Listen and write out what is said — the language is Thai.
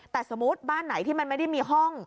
แต่สมมุติบ้านไหนที่มันไม่ได้มีห้อง